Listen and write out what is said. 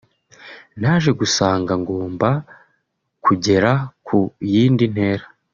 naje gusanga ngomba kugera ku yindi ntera